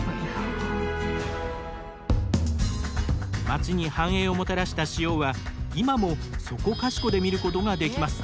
街に繁栄をもたらした塩は今もそこかしこで見ることができます。